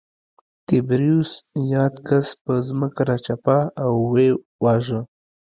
تبریوس یاد کس پر ځمکه راچپه او ویې واژه